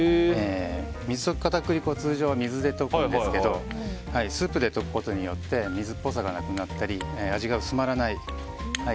水溶き片栗粉は通常、水で溶くんですがスープで溶くことによって水っぽさがなくなったり味が薄まらない。